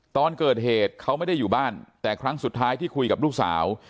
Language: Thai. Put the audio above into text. ตอนเกิดเหตุเขาไม่ได้อยู่บ้านแต่ครั้งสุดท้ายที่คุยกับลูกสาว